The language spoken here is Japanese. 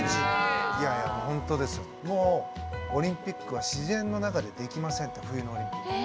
もうオリンピックは自然の中でできませんって冬のオリンピック。